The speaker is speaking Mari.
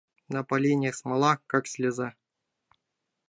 На поленьях смола, как слеза.